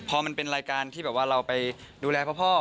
พอมันเป็นรายการที่แบบว่าเราไปดูแลพ่อ